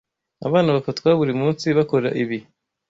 Abana bafatwa buri munsi bakora ibi